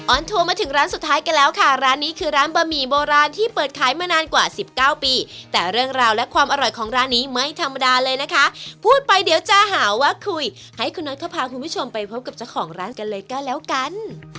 ทัวร์มาถึงร้านสุดท้ายกันแล้วค่ะร้านนี้คือร้านบะหมี่โบราณที่เปิดขายมานานกว่าสิบเก้าปีแต่เรื่องราวและความอร่อยของร้านนี้ไม่ธรรมดาเลยนะคะพูดไปเดี๋ยวจะหาว่าคุยให้คุณน็อตเขาพาคุณผู้ชมไปพบกับเจ้าของร้านกันเลยก็แล้วกัน